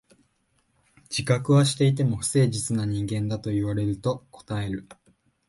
自覚はしていても、不誠実な人間だと言われると応える。